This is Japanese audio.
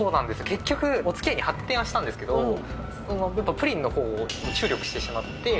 結局、おつきあいに発展はしたんですけど、プリンのほうに注力してしまって。